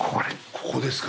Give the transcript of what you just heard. ここですか。